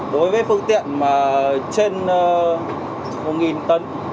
đối với phương tiện mà trên một tấn